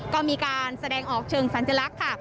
ก็มีการแสดงออกเชิงสัญลักษณ์ค่ะ